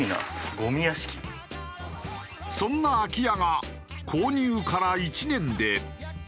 そんな空き家が購入から１年で。